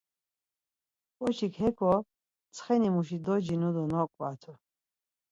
Ǩoçik heko ntsxeni muşi docinu do noǩvatu.